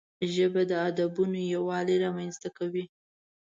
ژبه د ادبونو یووالی رامنځته کوي